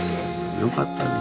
よかったね